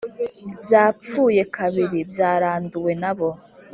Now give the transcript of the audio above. byapfuye kabiri byaranduwe nabo